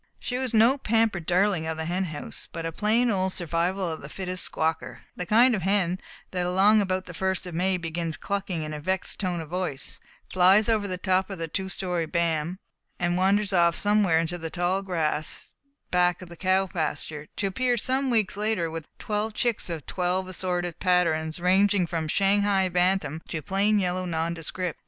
She was no pampered darling of the hen house, but a plain old Survival of the Fittest Squawker; the kind of hen that along about the first of May begins clucking in a vexed tone of voice, flies over the top of a two story bam, and wanders off somewhere into the tall grass back of the cow pasture, to appear some weeks later with twelve chicks of twelve assorted patterns, ranging from Shanghai bantam to plain yellow nondescript.